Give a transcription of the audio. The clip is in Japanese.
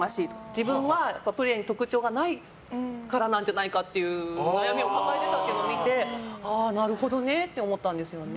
自分はプレーに特徴がないからなんじゃないかっていう悩みを抱えてたっていうのを見てなるほどねって思ったんですよね。